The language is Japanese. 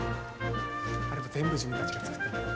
あれも全部自分たちが作ってんねん。